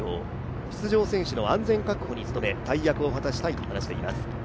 出場選手の安全確保に務め大役を果たしたいと話しています。